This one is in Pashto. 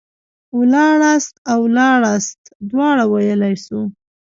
ولاړلاست او ولاړاست دواړه ويلاى سو.